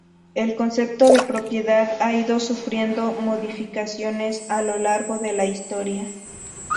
El concepto de propiedad ha ido sufriendo modificaciones a lo largo de la historia.